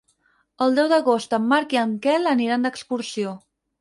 El deu d'agost en Marc i en Quel aniran d'excursió.